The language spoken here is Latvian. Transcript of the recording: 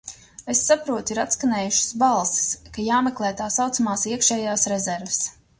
Es saprotu, ir atskanējušas balsis, ka jāmeklē tā saucamās iekšējās rezerves.